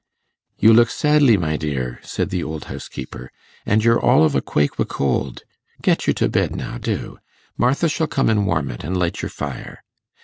'You look sadly, my dear,' said the old housekeeper, 'an' you're all of a quake wi' cold. Get you to bed, now do. Martha shall come an' warm it, an' light your fire.